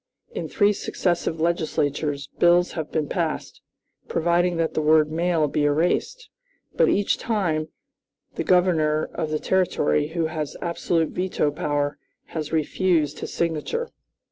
In three successive legislatures, bills have been passed, providing that the word 'male' be erased; but, each time, the Governor of the Territory, who has absolute veto power, has refused his signature.